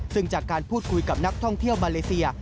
ซึ่งจากการพูดคุยกับนักท่องเที่ยวมาเลเซีย